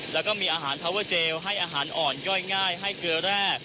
แล้วก็มีอาหารทาเวอร์เจลให้อาหารอ่อนย่อยง่ายให้เกลือแร่